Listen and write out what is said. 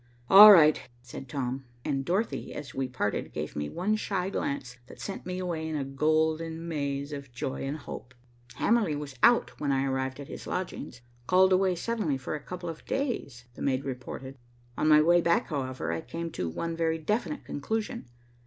"All right," said Tom, and Dorothy, as we parted, gave me one shy glance that sent me away in a golden maze of joy and hope. Hamerly was out when I arrived at his lodgings, called away suddenly for a couple of days, the maid reported. On my way back, however, I came to one very definite conclusion.